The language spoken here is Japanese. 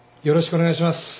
よろしくお願いします。